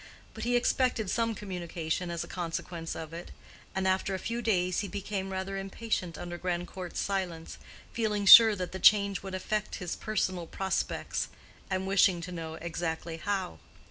But he expected some communication as a consequence of it, and after a few days he became rather impatient under Grandcourt's silence, feeling sure that the change would affect his personal prospects, and wishing to know exactly how.